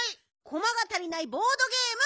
コマが足りないボードゲーム。